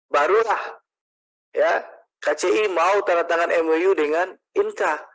barulah kci mau tanda tangan mou dengan inka